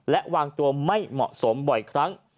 และวางตัวไม่เหมาะสมบ่อยครั้ง